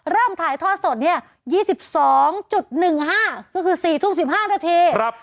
เริ่มถ่ายทอดสดเนี่ย๒๒๑๕ก็คือ๔ทุ่ม๑๕นาที